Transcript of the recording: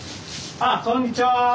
あこんにちは。